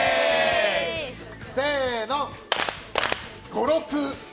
せーの、５×６。